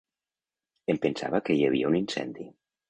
Em pensava que hi havia un incendi.